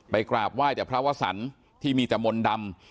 ไปกราบไหว้แต่พระวัสรรค์ที่มีจมนต์ดำ